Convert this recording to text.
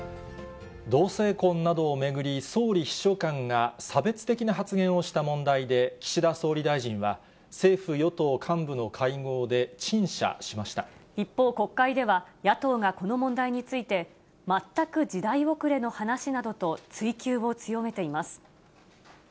同性婚などを巡り、総理秘書官が差別的な発言をした問題で、岸田総理大臣は、政府・与党幹部の会合で、一方、国会では野党がこの問題について、全く時代遅れの話などと追及を強めています。